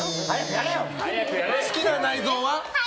好きな内臓は？